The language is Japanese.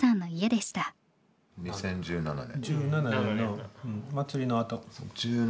２０１７年。